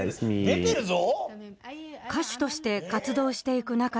出てるぞ？